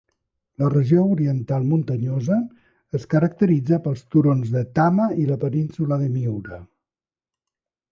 La regió oriental muntanyosa es caracteritza pels turons de Tama i la península de Miura.